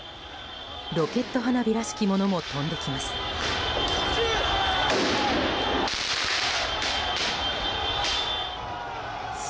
ロケット花火らしきものも飛んできます。